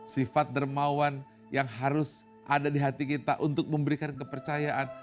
sifat dermawan yang harus ada di hati kita untuk memberikan kepercayaan